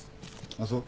あっそう？